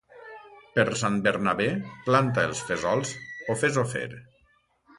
Per Sant Bernabé, planta els fesols o fes-ho fer.